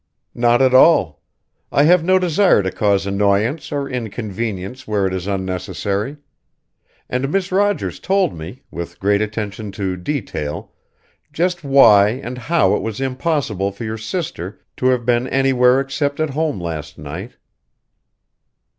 "Not at all. I have no desire to cause annoyance or inconvenience where it is unnecessary. And Miss Rogers told me, with great attention to detail, just why and how it was impossible for your sister to have been anywhere except at home last night."